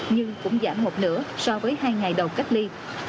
nhưng cũng giảm một nửa so với hai ngày đầu cách ly